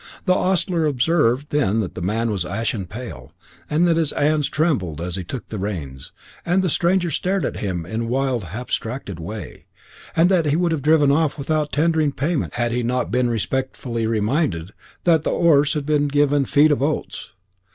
The ostler observed then that the man was ashen pale, and that his 'ands trembled as he took the reins, that the stranger stared at him in a wild habstracted way, and that he would have driven off without tendering payment had he not been respectfully reminded that the 'orse had been given a feed of hoats.